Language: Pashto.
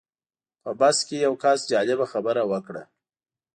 په بس کې یو کس جالبه خبره وکړه.